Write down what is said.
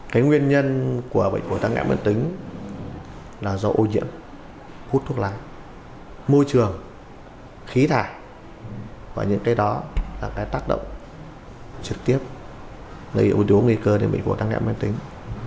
cái nguyên nhân của bệnh phổi tắc nghẽn mãn tính là do ô nhiễm hút thuốc lá môi trường khí thải và những cái đó là cái tác động trực tiếp nơi yếu tố nguy cơ để bệnh phổi tắc nghẽn mãn tính